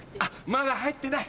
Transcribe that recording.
まだ入ってない？